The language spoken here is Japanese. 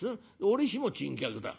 「折しも珍客だ」。